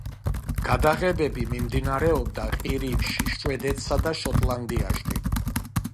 გადაღებები მიმდინარეობდა ყირიმში, შვედეთსა და შოტლანდიაში.